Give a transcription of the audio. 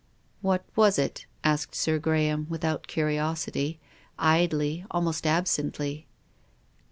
"What was it?" asked Sir Graham, without curiosity, idly, almost absently.